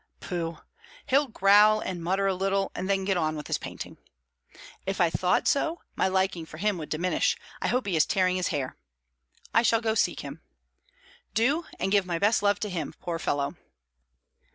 "Pooh! He'll growl and mutter a little, and then get on with his painting." "If I thought so, my liking for him would diminish. I hope he is tearing his hair." "I shall go seek him." "Do; and give my best love to him, poor fellow."